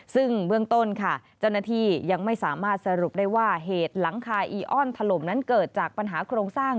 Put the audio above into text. ซึ่งเบื้องต้นค่ะเจ้าหน้าที่ยังไม่สามารถสรุปได้ว่าเหตุหลังคาอีออนถล่มนั้นเกิดจากปัญหาโครงสร้าง